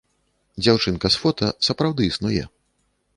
Дзяўчынка з фота сапраўды існуе.